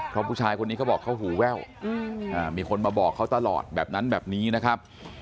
เพราะผู้ชายคนนี้เขาบอกเขาหูแว่วมีคนมาบอกเขาตลอดแบบนั้นแบบนี้นะครับ